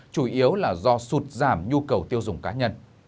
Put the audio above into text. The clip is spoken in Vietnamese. chủ yếu là do sụt giảm nhu cầu tiêu dùng cá nhân